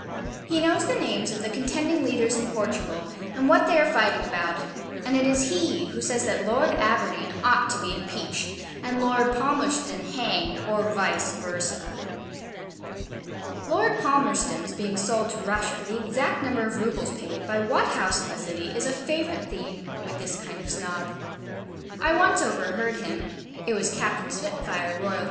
He knows the names of the contending leaders in Portugal, and what they are fighting about: and it is he who says that Lord Aberdeen ought to be impeached, and Lord Palmerston hanged, or VICE VERSA. Lord Palmerston's being sold to Russia, the exact number of roubles paid, by what house in the City, is a favourite theme with this kind of Snob. I once overheard him it was Captain Spitfire, R.N.